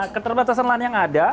keterbatasan lahan yang ada